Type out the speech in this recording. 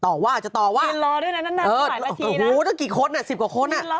โอ้โฮตั้งกี่คนสิบกว่าคน